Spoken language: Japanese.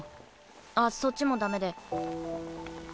あっそっちもダメで。